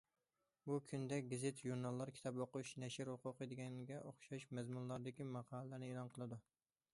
بۇ كۈندە گېزىت، ژۇرناللار كىتاب ئوقۇش، نەشر ھوقۇقى دېگەنگە ئوخشاش مەزمۇنلاردىكى ماقالىلەرنى ئېلان قىلىدۇ.